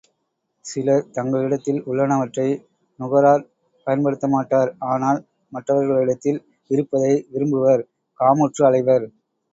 சிலர், தங்களிடத்தில் உள்ளனவற்றை நுகரார் பயன் படுத்தமாட்டார் ஆனால் மற்றவர்களிடத்தில் இருப்பதை விரும்புவர் காமுற்று அலைவர்.